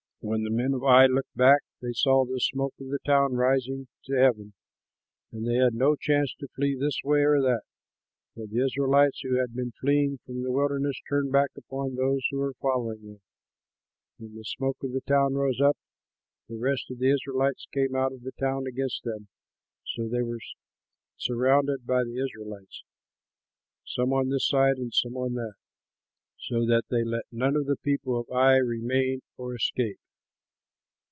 When the men of Ai looked back, they saw the smoke of the town rising to heaven; and they had no chance to flee this way or that, for the Israelites who had been fleeing to the wilderness turned back upon those who were following them. When the smoke of the town rose up, the rest of the Israelites came out of the town against them; so they were surrounded by the Israelites, some on this side, and some on that, so that they let none of the people of Ai remain or escape.